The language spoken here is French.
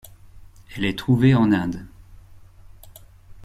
Elle est trouvée en Inde.